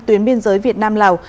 tuyến biên giới việt nam lào